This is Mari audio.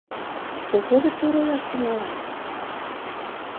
— Колхозышто оролаш тӱҥалат?